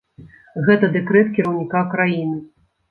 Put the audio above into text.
Гэта дэкрэт кіраўніка краіны.